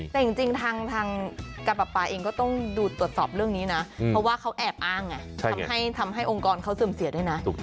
แต่จริงทางการปราปาเองก็ต้องดูตรวจสอบเรื่องนี้นะเพราะว่าเขาแอบอ้างไงทำให้องค์กรเขาเสื่อมเสียด้วยนะ